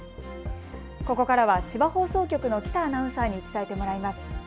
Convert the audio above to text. ここからは千葉放送局の喜多アナウンサーに伝えてもらいます。